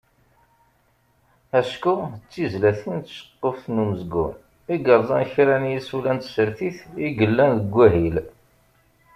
Acku d tizlatin d tceqquft n umezgun i yerẓan kra n yisula n tsertit i yellan deg wahil.